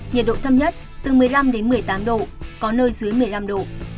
nhiệt độ thấp nhất từ một mươi năm đến một mươi tám độ có nơi dưới một mươi năm độ